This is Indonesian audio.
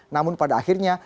namun pada akhirnya